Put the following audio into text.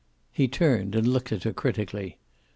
He turned and looked at her critically.